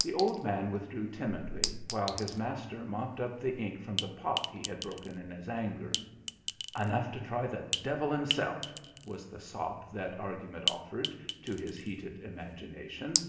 The old man withdrew timidly, while his master mopped up the ink from the pot he had broken in his anger. "Enough to try the devil himself," was the sop that argument offered to his heated imagination.